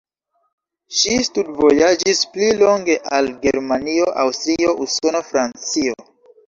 Ŝi studvojaĝis pli longe al Germanio, Aŭstrio, Usono, Francio.